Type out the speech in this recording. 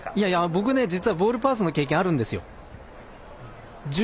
僕、実はボールパーソンの経験あるんですよ。